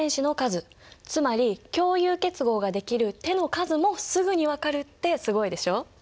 つまり共有結合ができる手の数もすぐに分かるってすごいでしょ？